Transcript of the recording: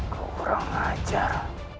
kau kurang ajar